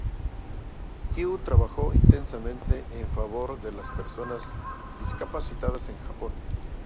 Kyu trabajó intensamente en favor de las personas discapacitadas en Japón.